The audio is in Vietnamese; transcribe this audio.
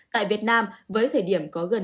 tại việt nam với thời điểm có gần năm trăm linh lượt